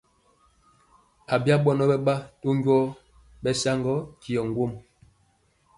Abya ɓɔnɔ mɛwaa to njɔɔ ɓɛsaŋgɔ tyɔ ŋgom.